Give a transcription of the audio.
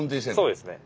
そうですね。